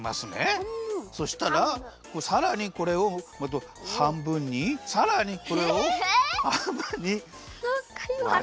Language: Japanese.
そしたらさらにこれをはんぶんにさらにこれをはんぶんにわります。